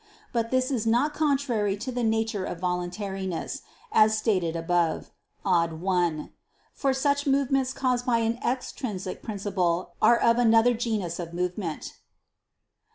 But this is not contrary to the nature of voluntariness, as stated above (ad 1), for such movements caused by an extrinsic principle are of another genus of movement.